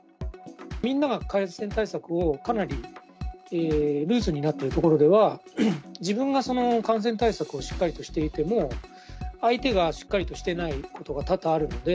みんなが感染対策を、かなりルーズになっている所では、自分が感染対策をしっかりとしていても、相手がしっかりとしていないことが多々あるので、